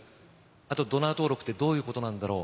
あとドナー登録ってどういうことなんだろう。